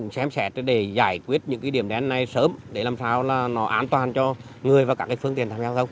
xem xét để giải quyết những điểm đen này sớm để làm sao là nó an toàn cho người và các phương tiện tham gia giao thông